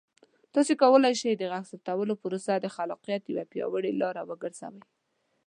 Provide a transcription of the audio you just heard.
تاسو کولی شئ د غږ ثبتولو پروسه د خلاقیت یوه پیاوړې لاره وګرځوئ.